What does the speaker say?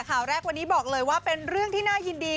ข่าวแรกวันนี้บอกเลยว่าเป็นเรื่องที่น่ายินดี